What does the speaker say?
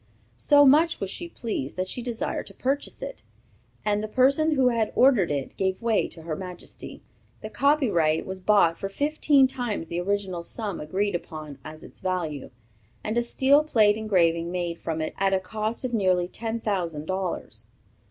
So much was she pleased that she desired to purchase it, and the person who had ordered it gave way to Her Majesty. The copyright was bought for fifteen times the original sum agreed upon as its value, and a steel plate engraving made from it at a cost of nearly ten thousand dollars.